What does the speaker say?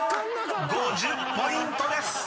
５０ポイントです］